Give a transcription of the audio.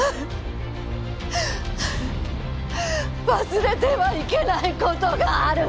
忘れてはいけないことがある！